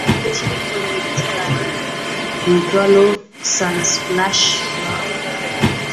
Alishiriki kwenye igizo la rege liitwalo Sunsplash mwaka